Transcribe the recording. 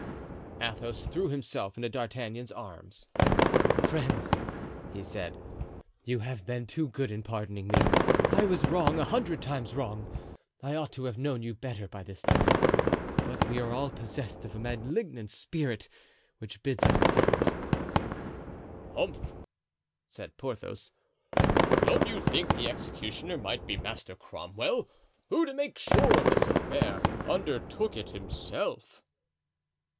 Athos threw himself into D'Artagnan's arms. "Friend," he said, "you have been too good in pardoning me; I was wrong, a hundred times wrong. I ought to have known you better by this time; but we are all possessed of a malignant spirit, which bids us doubt." "Humph!" said Porthos. "Don't you think the executioner might be Master Cromwell, who, to make sure of this affair, undertook it himself?"